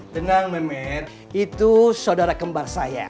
tenang memer itu saudara kembar saya